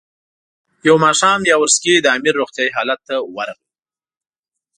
یو ماښام یاورسکي د امیر روغتیایي حالت ته ورغی.